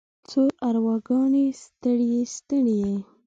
څو ارواګانې ستړې، ستړې